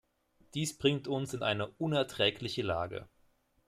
Dies bringt uns in eine unerträgliche Lage.